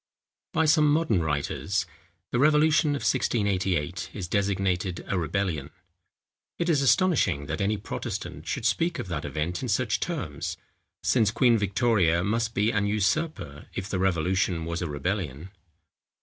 By some modern writers, the Revolution of 1688 is designated a Rebellion! It is astonishing, that any Protestant should speak of that event in such terms; since Queen Victoria must be an usurper, if the revolution was a rebellion.